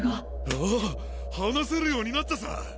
わぁ話せるようになったさぁ。